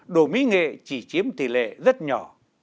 đồ mỹ nghề chỉ chiếm tỷ lệ rất nhỏ